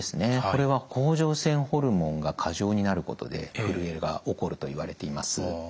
これは甲状腺ホルモンが過剰になることでふるえが起こるといわれています。